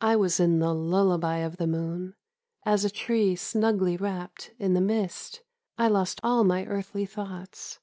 I was in the lullaby of the moon, As a tree snugly wrapped in the mist : I lost all my earthly thoughts.